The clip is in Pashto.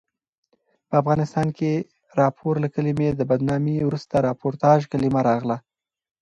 په افغانستان کښي راپور له کلمې د بدنامي وروسته راپورتاژ کلیمه راغله.